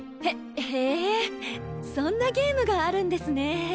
へぇそんなゲームがあるんですね。